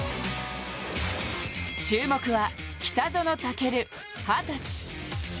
注目は、北園丈琉、二十歳。